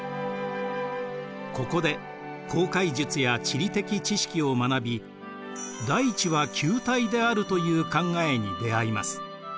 ここで航海術や地理的知識を学び「大地は球体である」という考えに出会います。